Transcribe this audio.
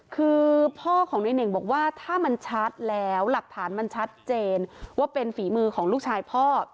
คือพ่อของในเน่งบอกว่าถ้ามันชัดแล้วหลักฐานมันชัดเจนว่าเป็นฝีมือของลูกชายพ่อ